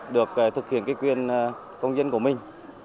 được thực hiện quyền công dân của mình